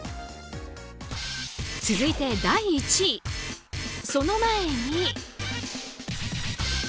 続いて第１位、その前に。